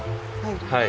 はい。